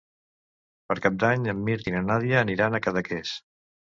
Per Cap d'Any en Mirt i na Nàdia aniran a Cadaqués.